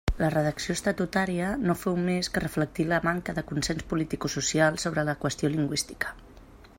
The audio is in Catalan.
La redacció estatutària no féu més que reflectir la manca de consens politicosocial sobre la qüestió lingüística.